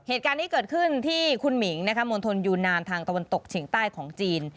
เหตุการณ์นี้เกิดขึ้นที่คุณหมิงมณฑลยูนานทางตะวันตกเฉียงใต้ของจีน